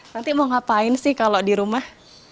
nanti mau ngapain sih kalau di rumah